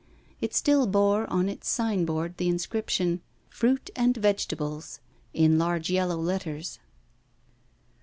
It still bore on its sign board the inscription, 'Fruit and Vegetables,' in large yellow letters.